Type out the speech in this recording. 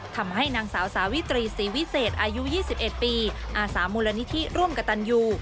ทำให้นางสาวสาวิตรีศรีวิเศษอายุ๒๑ปีอาสามูลนิธิร่วมกับตันยู